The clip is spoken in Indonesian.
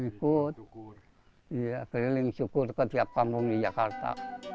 ikut keliling syukur ke tiap kampung di jakarta